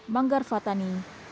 manggar fathani jakarta